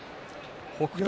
北勝